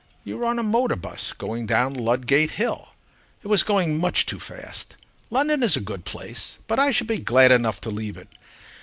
You were on a motor bus going down Ludgate Hill. It was going much too fast. London is a good place. But I shall be glad enough to leave it.